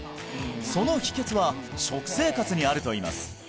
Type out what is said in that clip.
その秘訣は食生活にあるといいます